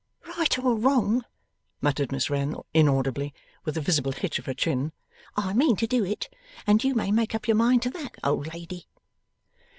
'Right or wrong,' muttered Miss Wren, inaudibly, with a visible hitch of her chin, 'I mean to do it, and you may make up your mind to THAT, old lady.